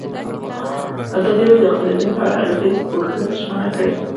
ازادي راډیو د اقلیتونه په اړه د هر اړخیز پوښښ ژمنه کړې.